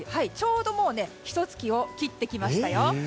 ちょうどひと月を切ってきましたよ。